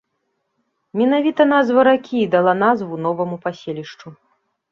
Менавіта назва ракі і дала назву новаму паселішчу.